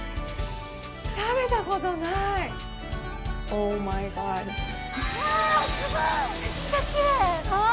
食べたことない！わ！